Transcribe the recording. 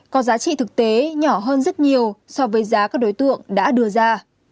có giá trị thực tế nhỏ hơn rất nhiều so với giá các đối tượng đã đưa ra